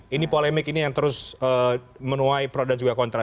ini polemik ini yang terus menuai pro dan juga kontra